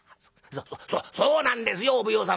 「そそうなんですよお奉行様。